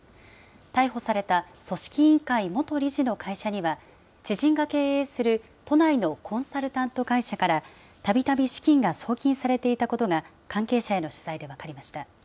逮捕された組織委員会元理事の会社には、知人が経営する都内のコンサルタント会社から、たびたび資金が送金されていたことが、関係者への取材で分かりました。